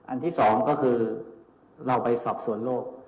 ที่สองก็คือเราไปสอบสวนโลก